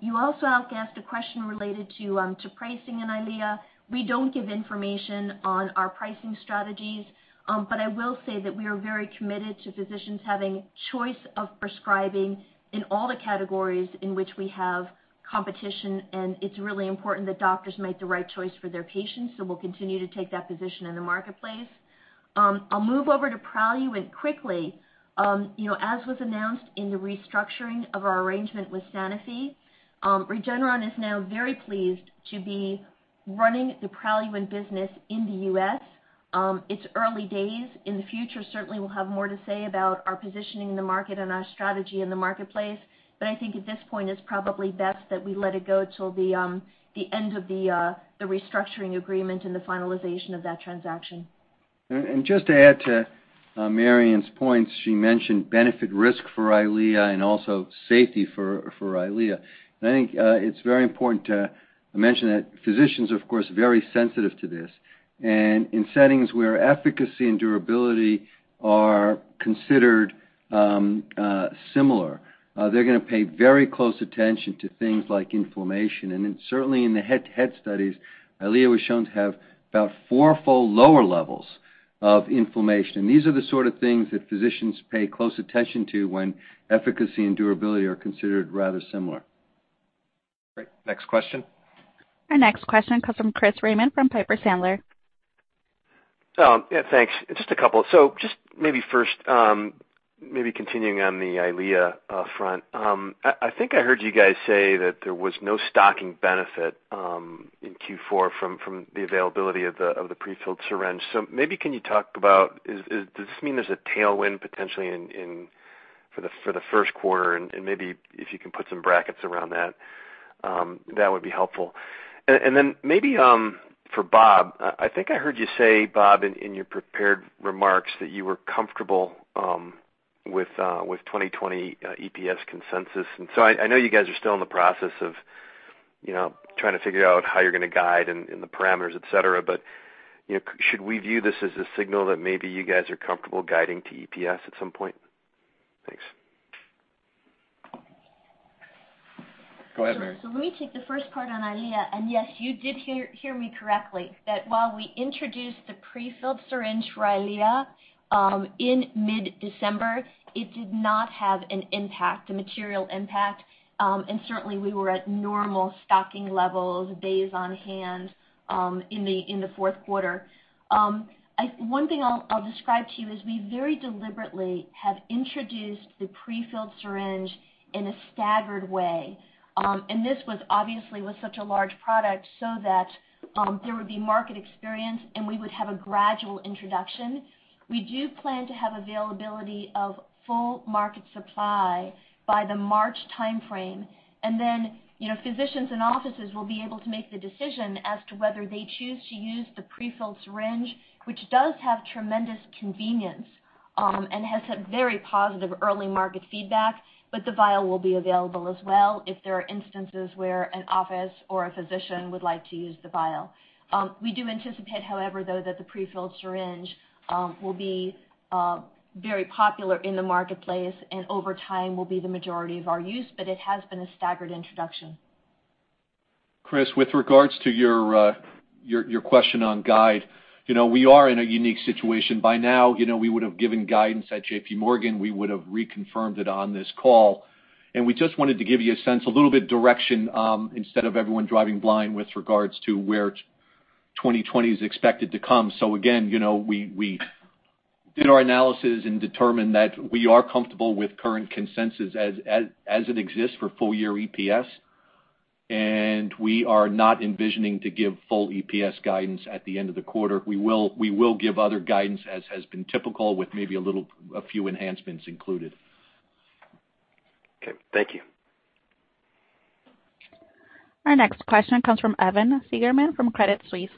You also, Alec, asked a question related to pricing in EYLEA. We don't give information on our pricing strategies. I will say that we are very committed to physicians having choice of prescribing in all the categories in which we have competition, and it's really important that doctors make the right choice for their patients. We'll continue to take that position in the marketplace. I'll move over to Praluent quickly. As was announced in the restructuring of our arrangement with Sanofi, Regeneron is now very pleased to be running the Praluent business in the U.S. It's early days. In the future, certainly, we'll have more to say about our positioning in the market and our strategy in the marketplace. I think at this point it's probably best that we let it go till the end of the restructuring agreement and the finalization of that transaction. Just to add to Marion's points, she mentioned benefit risk for EYLEA and also safety for EYLEA. I think it's very important to mention that physicians, of course, are very sensitive to this. In settings where efficacy and durability are considered similar, they're going to pay very close attention to things like inflammation. Certainly in the head-to-head studies, EYLEA was shown to have about fourfold lower levels of inflammation. These are the sort of things that physicians pay close attention to when efficacy and durability are considered rather similar. Great. Next question. Our next question comes from Chris Raymond from Piper Sandler. Yeah, thanks. Just a couple. Just maybe first, maybe continuing on the EYLEA front. I think I heard you guys say that there was no stocking benefit in Q4 from the availability of the pre-filled syringe. Maybe can you talk about does this mean there's a tailwind potentially for the first quarter, and maybe if you can put some brackets around that would be helpful. Then maybe for Bob, I think I heard you say, Bob, in your prepared remarks that you were comfortable with 2020 EPS consensus. I know you guys are still in the process of trying to figure out how you're going to guide and the parameters, et cetera, but should we view this as a signal that maybe you guys are comfortable guiding to EPS at some point? Thanks. Go ahead, Marion. Let me take the first part on EYLEA. Yes, you did hear me correctly, that while we introduced the pre-filled syringe for EYLEA in mid-December, it did not have an impact, a material impact. Certainly, we were at normal stocking levels, days on hand, in the fourth quarter. One thing I'll describe to you is we very deliberately have introduced the pre-filled syringe in a staggered way. This was obviously with such a large product so that there would be market experience, and we would have a gradual introduction. We do plan to have availability of full market supply by the March timeframe. Physicians and offices will be able to make the decision as to whether they choose to use the pre-filled syringe, which does have tremendous convenience and has had very positive early market feedback. The vial will be available as well if there are instances where an office or a physician would like to use the vial. We do anticipate, however, though, that the pre-filled syringe will be very popular in the marketplace and over time will be the majority of our use. It has been a staggered introduction. Chris, with regards to your question on guide, we are in a unique situation. By now, we would have given guidance at J.P. Morgan, we would have reconfirmed it on this call. We just wanted to give you a sense, a little bit direction, instead of everyone driving blind with regards to where 2020 is expected to come. Again, we did our analysis and determined that we are comfortable with current consensus as it exists for full year EPS. We are not envisioning to give full EPS guidance at the end of the quarter. We will give other guidance as has been typical with maybe a few enhancements included. Okay. Thank you. Our next question comes from Evan Seigerman from Credit Suisse.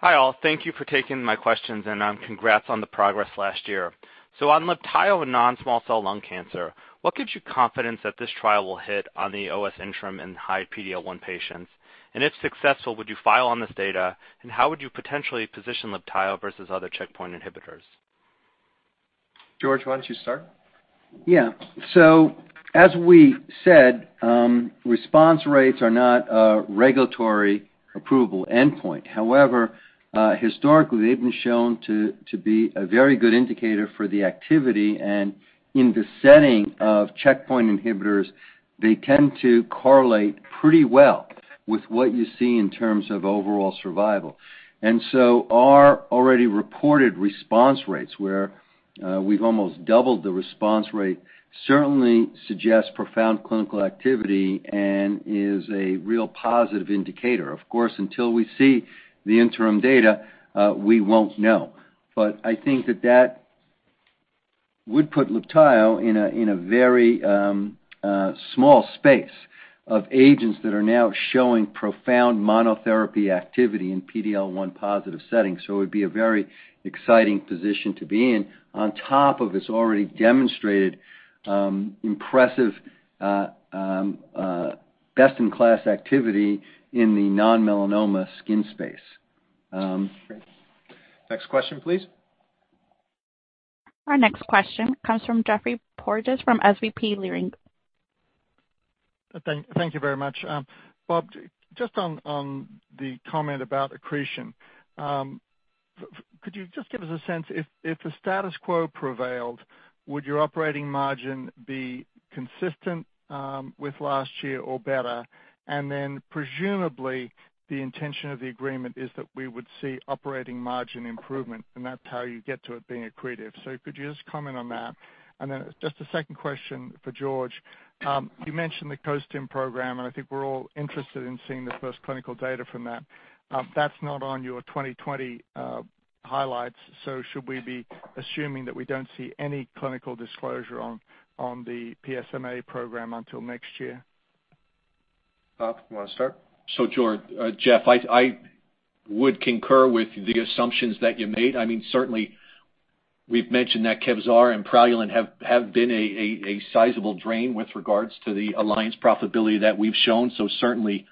Hi, all. Thank you for taking my questions, and congrats on the progress last year. On LIBTAYO and non-small cell lung cancer, what gives you confidence that this trial will hit on the OS interim in high PD-L1 patients? If successful, would you file on this data, and how would you potentially position LIBTAYO versus other checkpoint inhibitors? George, why don't you start? Yeah. As we said, response rates are not a regulatory approval endpoint. However, historically, they've been shown to be a very good indicator for the activity, and in the setting of checkpoint inhibitors, they tend to correlate pretty well with what you see in terms of overall survival. Our already reported response rates, where we've almost doubled the response rate, certainly suggests profound clinical activity and is a real positive indicator. Of course, until we see the interim data, we won't know. I think that that would put LIBTAYO in a very small space of agents that are now showing profound monotherapy activity in PD-L1 positive settings. It would be a very exciting position to be in on top of its already demonstrated impressive best-in-class activity in the non-melanoma skin space. Great. Next question, please. Our next question comes from Geoffrey Porges from SVB Leerink. Thank you very much. Bob, just on the comment about accretion. Could you just give us a sense, if the status quo prevailed, would your operating margin be consistent with last year or better? Presumably, the intention of the agreement is that we would see operating margin improvement, and that's how you get to it being accretive. Could you just comment on that? Just a second question for George. You mentioned the Costim program, and I think we're all interested in seeing the first clinical data from that. That's not on your 2020 highlights, so should we be assuming that we don't see any clinical disclosure on the PSMA program until next year? Bob, you want to start? George-- Jeff, I would concur with the assumptions that you made. Certainly, we've mentioned that Kevzara and Praluent have been a sizable drain with regards to the alliance profitability that we've shown. Certainly,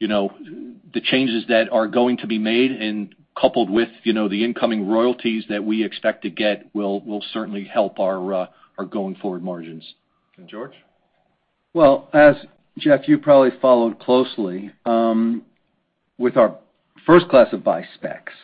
the changes that are going to be made and coupled with the incoming royalties that we expect to get will certainly help our going forward margins. George? As Jeff, you probably followed closely with our first class of bispecs.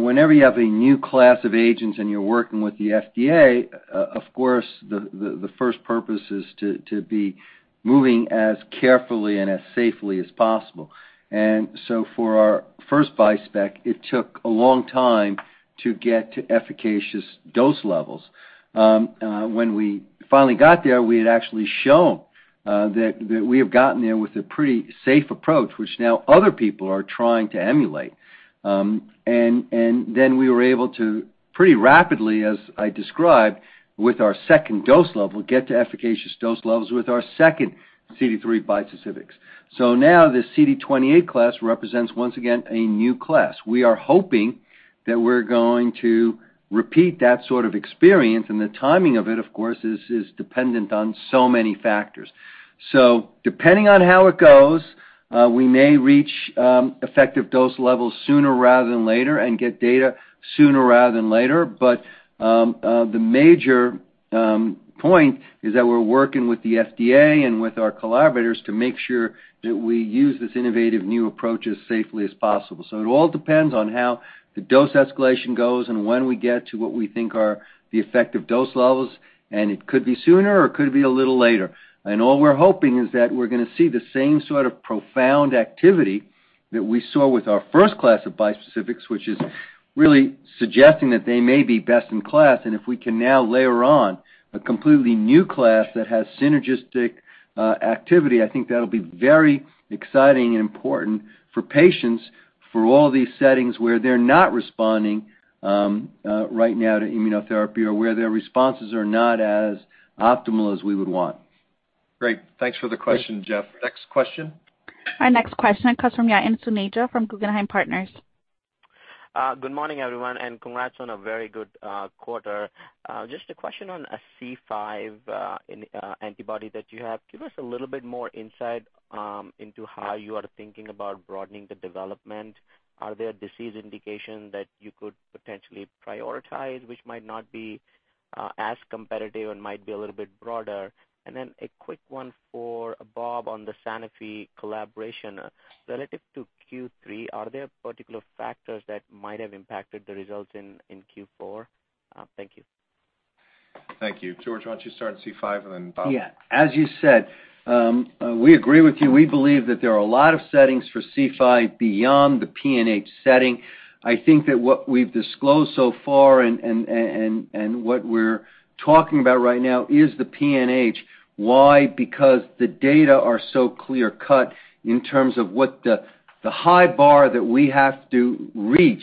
Whenever you have a new class of agents and you're working with the FDA, of course, the first purpose is to be moving as carefully and as safely as possible. For our first bispec, it took a long time to get to efficacious dose levels. When we finally got there, we had actually shown that we have gotten there with a pretty safe approach, which now other people are trying to emulate. We were able to pretty rapidly, as I described, with our second dose level, get to efficacious dose levels with our second CD3 bispecifics. The CD28 class represents, once again, a new class. We are hoping that we're going to repeat that sort of experience, and the timing of it, of course, is dependent on so many factors. Depending on how it goes, we may reach effective dose levels sooner rather than later and get data sooner rather than later. The major point is that we're working with the FDA and with our collaborators to make sure that we use this innovative new approach as safely as possible. It all depends on how the dose escalation goes and when we get to what we think are the effective dose levels, and it could be sooner or it could be a little later. All we're hoping is that we're going to see the same sort of profound activity that we saw with our first class of bispecifics, which is really suggesting that they may be best in class, and if we can now layer on a completely new class that has synergistic activity, I think that'll be very exciting and important for patients for all these settings where they're not responding right now to immunotherapy or where their responses are not as optimal as we would want. Great. Thanks for the question, Jeff. Next question. Our next question comes from Yatin Suneja from Guggenheim Partners. Good morning, everyone. Congrats on a very good quarter. Just a question on C5 antibody that you have. Give us a little bit more insight into how you are thinking about broadening the development. Are there disease indications that you could potentially prioritize, which might not be as competitive and might be a little bit broader? A quick one for Bob on the Sanofi collaboration. Relative to Q3, are there particular factors that might have impacted the results in Q4? Thank you. Thank you. George, why don't you start C5 and then Bob? As you said, we agree with you. We believe that there are a lot of settings for C5 beyond the PNH setting. I think that what we've disclosed so far and what we're talking about right now is the PNH. Why? Because the data are so clear-cut in terms of what the high bar that we have to reach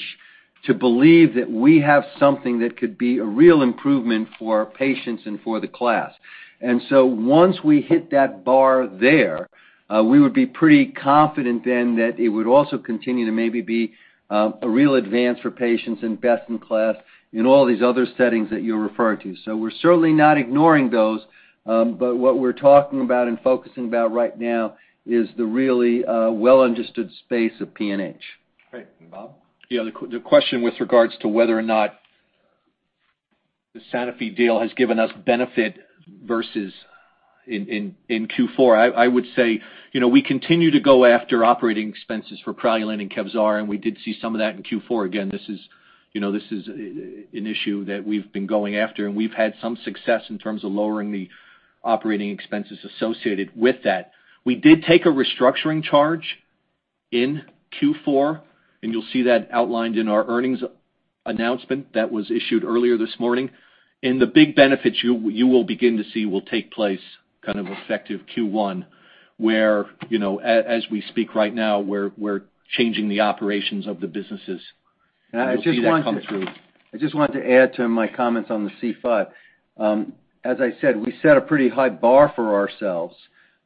to believe that we have something that could be a real improvement for patients and for the class. Once we hit that bar there, we would be pretty confident then that it would also continue to maybe be a real advance for patients and best in class in all these other settings that you're referring to. We're certainly not ignoring those, but what we're talking about and focusing about right now is the really well-understood space of PNH. Great. Bob? Yeah, the question with regards to whether or not the Sanofi deal has given us benefit versus in Q4, I would say, we continue to go after operating expenses for KRYALIN and Kevzara, and we did see some of that in Q4. This is an issue that we've been going after, and we've had some success in terms of lowering the operating expenses associated with that. We did take a restructuring charge in Q4, and you'll see that outlined in our earnings announcement that was issued earlier this morning. The big benefits you will begin to see will take place kind of effective Q1, where, as we speak right now, we're changing the operations of the businesses. You'll see that come through. I just wanted to add to my comments on the C5. As I said, we set a pretty high bar for ourselves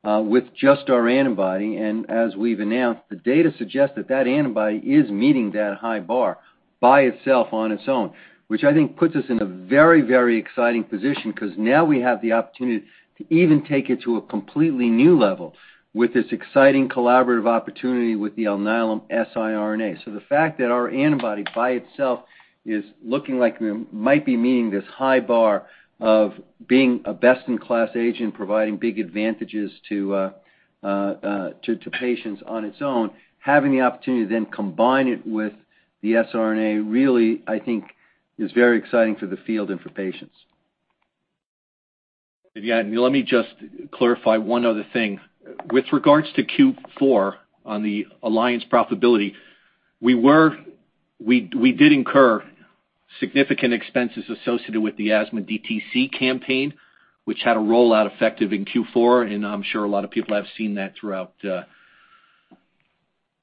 with just our antibody, and as we've announced, the data suggests that that antibody is meeting that high bar by itself on its own, which I think puts us in a very, very exciting position because now we have the opportunity to even take it to a completely new level with this exciting collaborative opportunity with the Alnylam siRNA. The fact that our antibody by itself is looking like it might be meeting this high bar of being a best-in-class agent, providing big advantages to patients on its own, having the opportunity to then combine it with the siRNA really, I think, is very exciting for the field and for patients. Yeah, let me just clarify one other thing. With regards to Q4 on the alliance profitability, we did incur significant expenses associated with the asthma DTC campaign, which had a rollout effective in Q4, and I'm sure a lot of people have seen that throughout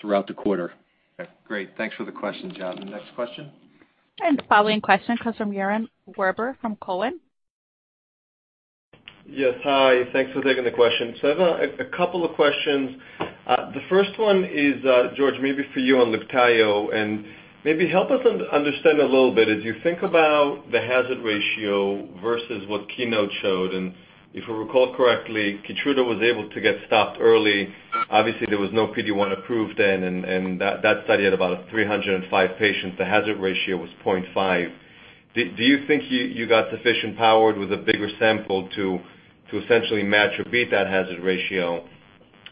the quarter. Okay, great. Thanks for the question, John. Next question? The following question comes from Yaron Werber from Cowen. Yes, hi. Thanks for taking the question. I have a couple of questions. The first one is, George, maybe for you on LIBTAYO, and maybe help us understand a little bit, as you think about the hazard ratio versus what KEYNOTE showed, and if I recall correctly, KEYTRUDA was able to get stopped early. Obviously, there was no PD-1 approved then, and that study had about 305 patients. The hazard ratio was 0.5. Do you think you got sufficient power with a bigger sample to essentially match or beat that hazard ratio?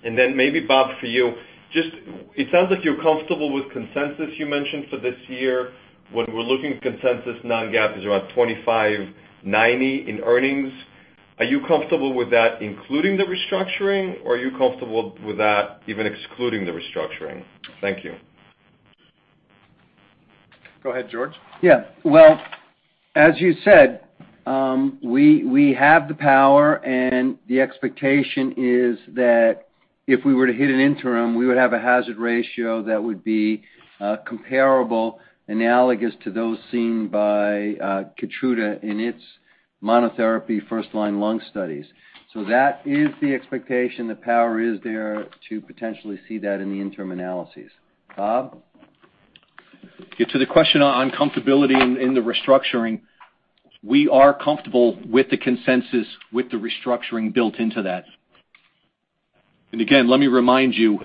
Maybe Bob, for you, it sounds like you're comfortable with consensus you mentioned for this year. When we're looking at consensus, non-GAAP is around $25.90 in earnings. Are you comfortable with that including the restructuring, or are you comfortable with that even excluding the restructuring? Thank you. Go ahead, George. Yeah. Well, as you said, we have the power, and the expectation is that if we were to hit an interim, we would have a hazard ratio that would be comparable, analogous to those seen by KEYTRUDA in its monotherapy first-line lung studies. That is the expectation. The power is there to potentially see that in the interim analyses. Bob? Yeah, to the question on comfortability in the restructuring, we are comfortable with the consensus with the restructuring built into that. Again, let me remind you,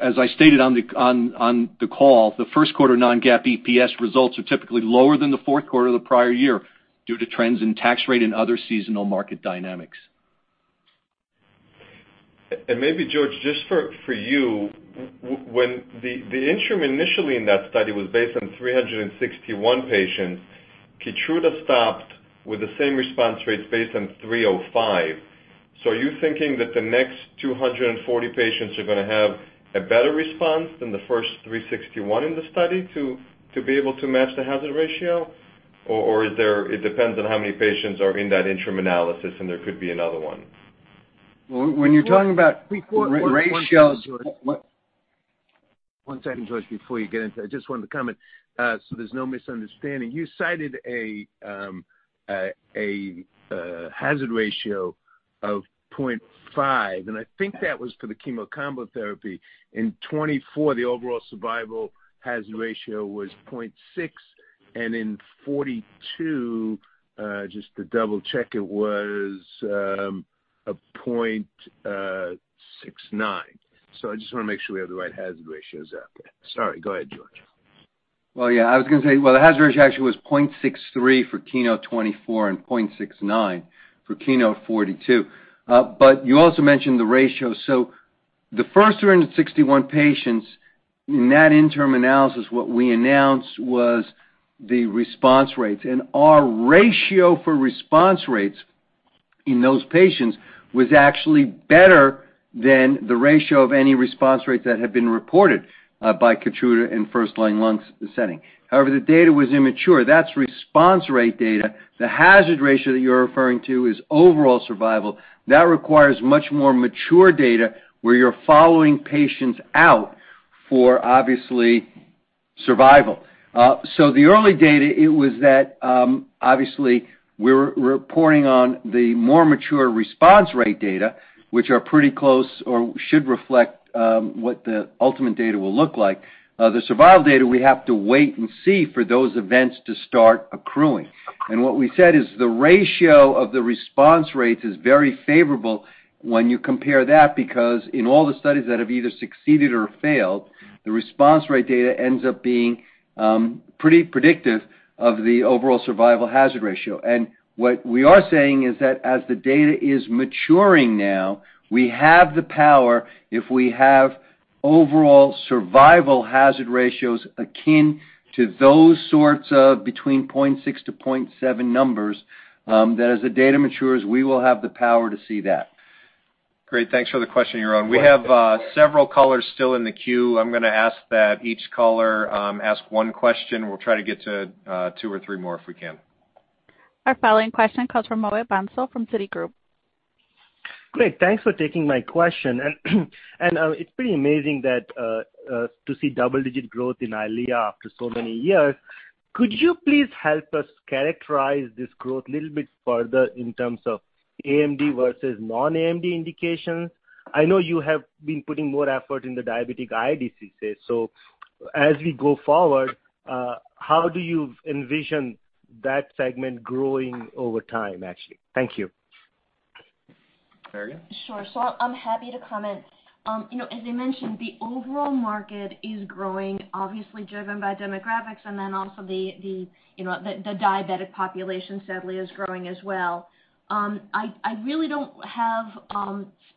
as I stated on the call, the first quarter non-GAAP EPS results are typically lower than the fourth quarter of the prior year due to trends in tax rate and other seasonal market dynamics. Maybe George, just for you, when the interim initially in that study was based on 361 patients, KEYTRUDA stopped with the same response rates based on 305. Are you thinking that the next 240 patients are going to have a better response than the first 361 in the study to be able to match the hazard ratio? It depends on how many patients are in that interim analysis, and there could be another one? When you're talking about ratios- One second, George, before you get into it. I just wanted to comment so there's no misunderstanding. You cited a hazard ratio of 0.5, and I think that was for the chemo combo therapy. In 24, the overall survival hazard ratio was 0.6, and in 42, just to double-check, it was a 0.69. I just want to make sure we have the right hazard ratios out there. Sorry, go ahead, George. Yeah, I was going to say, well, the hazard ratio actually was 0.63 for KEYNOTE-024 and 0.69 for KEYNOTE-042. You also mentioned the ratio. The first 361 patients in that interim analysis, what we announced was the response rates. Our ratio for response rates in those patients was actually better than the ratio of any response rates that had been reported by KEYTRUDA in first-line lung setting. However, the data was immature. That's response rate data. The hazard ratio that you're referring to is overall survival. That requires much more mature data where you're following patients out for, obviously, survival. The early data, it was that, obviously, we're reporting on the more mature response rate data, which are pretty close or should reflect what the ultimate data will look like. The survival data, we have to wait and see for those events to start accruing. What we said is the ratio of the response rates is very favorable when you compare that, because in all the studies that have either succeeded or failed, the response rate data ends up being pretty predictive of the overall survival hazard ratio. What we are saying is that as the data is maturing now, we have the power if we have overall survival hazard ratios akin to those sorts of between 0.6-0.7 numbers, that as the data matures, we will have the power to see that. Great. Thanks for the question, Yaron. We have several callers still in the queue. I'm going to ask that each caller ask one question. We'll try to get to two or three more if we can. Our following question comes from Mohit Bansal from Citigroup. Great. Thanks for taking my question. It's pretty amazing to see double-digit growth in EYLEA after so many years. Could you please help us characterize this growth a little bit further in terms of AMD versus non-AMD indications? I know you have been putting more effort in the diabetic eye disease space. As we go forward, how do you envision that segment growing over time, actually? Thank you. Marion? Sure. I'm happy to comment. As I mentioned, the overall market is growing, obviously driven by demographics, also the diabetic population sadly is growing as well. I really don't have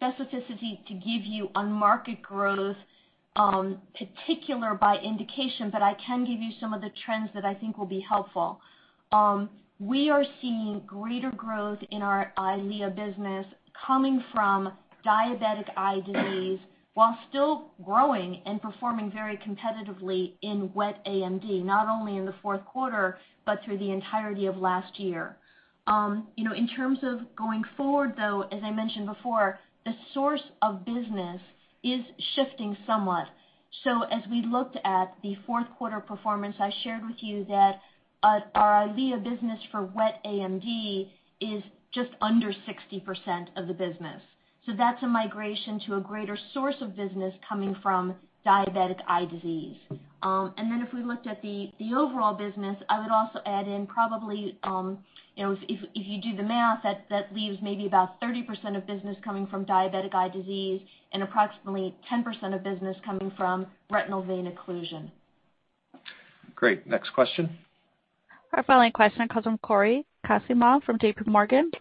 specificity to give you on market growth, particular by indication, I can give you some of the trends that I think will be helpful. We are seeing greater growth in our EYLEA business coming from diabetic eye disease while still growing and performing very competitively in wet AMD, not only in the fourth quarter, through the entirety of last year. In terms of going forward, though, as I mentioned before, the source of business is shifting somewhat. As we looked at the fourth quarter performance, I shared with you that our EYLEA business for wet AMD is just under 60% of the business. That's a migration to a greater source of business coming from diabetic eye disease. If we looked at the overall business, I would also add in probably, if you do the math, that leaves maybe about 30% of business coming from diabetic eye disease and approximately 10% of business coming from retinal vein occlusion. Great. Next question. Our following question comes from Cory Kasimov from JPMorgan.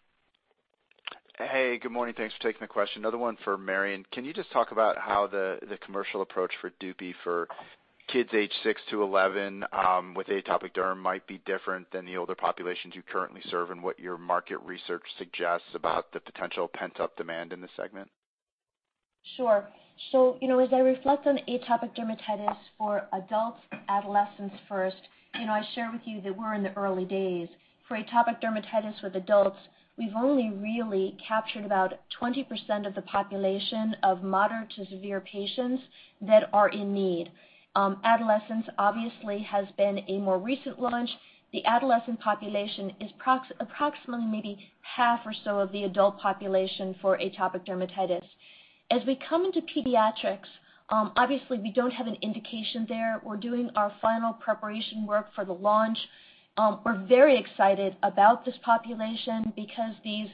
Hey, good morning. Thanks for taking the question. Another one for Marion. Can you just talk about how the commercial approach for DUPIXENT for kids age 6-11 with atopic derm might be different than the older populations you currently serve and what your market research suggests about the potential pent-up demand in this segment? As I reflect on atopic dermatitis for adults, adolescents first, I share with you that we're in the early days. For atopic dermatitis with adults, we've only really captured about 20% of the population of moderate to severe patients that are in need. Adolescents obviously has been a more recent launch. The adolescent population is approximately maybe half or so of the adult population for atopic dermatitis. As we come into pediatrics, obviously we don't have an indication there. We're doing our final preparation work for the launch. We're very excited about this population because these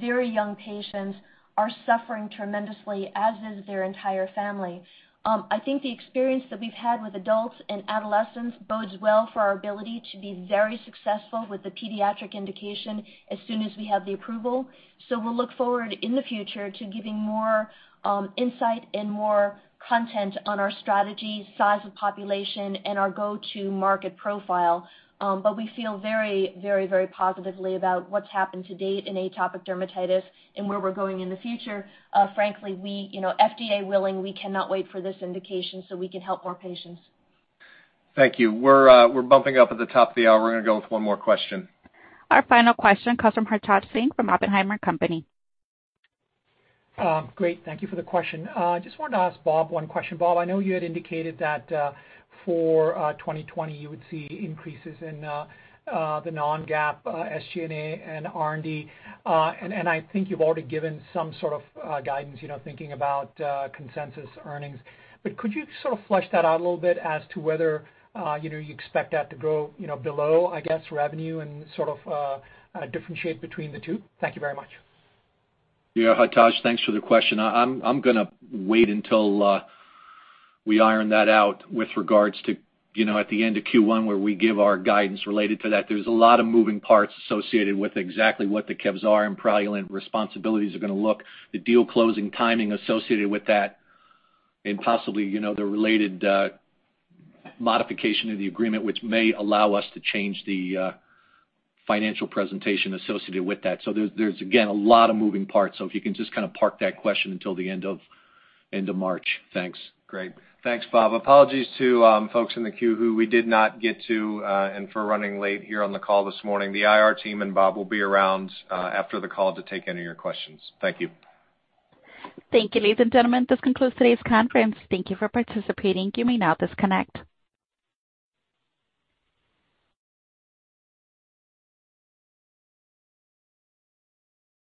very young patients are suffering tremendously, as is their entire family. I think the experience that we've had with adults and adolescents bodes well for our ability to be very successful with the pediatric indication as soon as we have the approval. We'll look forward in the future to giving more insight and more content on our strategy, size of population, and our go-to market profile. We feel very, very, very positively about what's happened to date in atopic dermatitis and where we're going in the future. Frankly, FDA willing, we cannot wait for this indication so we can help more patients. Thank you. We're bumping up at the top of the hour. We're going to go with one more question. Our final question comes from Hartaj Singh from Oppenheimer & Co. Great. Thank you for the question. Just wanted to ask Bob one question. Bob, I know you had indicated that for 2020, you would see increases in the non-GAAP, SG&A, and R&D. I think you've already given some sort of guidance, thinking about consensus earnings. Could you sort of flesh that out a little bit as to whether you expect that to grow below, I guess, revenue and sort of differentiate between the two? Thank you very much. Yeah, Hartaj, thanks for the question. I'm going to wait until we iron that out with regards to at the end of Q1 where we give our guidance related to that. There's a lot of moving parts associated with exactly what the Kevzara and Praluent responsibilities are going to look, the deal closing timing associated with that, and possibly the related modification of the agreement, which may allow us to change the financial presentation associated with that. There's, again, a lot of moving parts. If you can just kind of park that question until the end of March. Thanks. Great. Thanks, Bob. Apologies to folks in the queue who we did not get to and for running late here on the call this morning. The IR team and Bob will be around after the call to take any of your questions. Thank you. Thank you, ladies and gentlemen. This concludes today's conference. Thank you for participating. You may now disconnect.